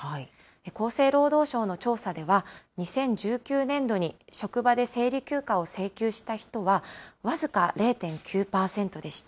厚生労働省の調査では、２０１９年度に職場で生理休暇を請求した人は、僅か０．９％でした。